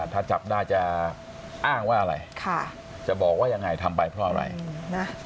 ถ้าจับได้จะอ้างว่าอะไรจะบอกว่ายังไงทำไปเพราะอะไรนะ